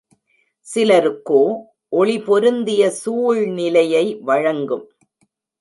சிலருக்கோ ஒளி பொருந்திய சூழ்நிலையை வழங்கும்.